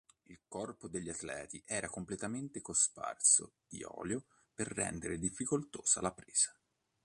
Il corpo degli atleti era completamente cosparso di olio per rendere difficoltosa la presa.